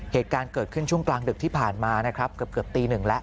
เหตุการณ์เกิดขึ้นช่วงกลางดึกที่ผ่านมานะครับเกือบตีหนึ่งแล้ว